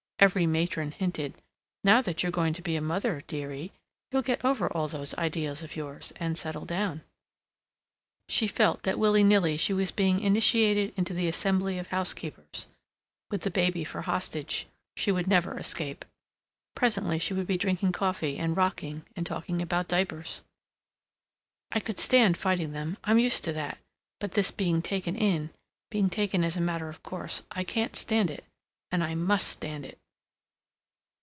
Every matron hinted, "Now that you're going to be a mother, dearie, you'll get over all these ideas of yours and settle down." She felt that willy nilly she was being initiated into the assembly of housekeepers; with the baby for hostage, she would never escape; presently she would be drinking coffee and rocking and talking about diapers. "I could stand fighting them. I'm used to that. But this being taken in, being taken as a matter of course, I can't stand it and I must stand it!"